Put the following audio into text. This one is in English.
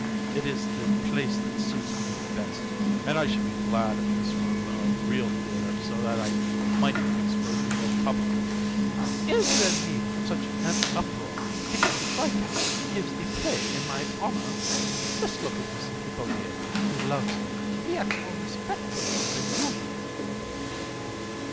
it is the place that suits me best, and I should be glad if this were a real theatre so that I might expose you more publicly. COUN. Is there need for such an uproar because the viscount gives a play in my honour? Just look at Mr. Thibaudier, who loves me; he acts more respectfully than you do.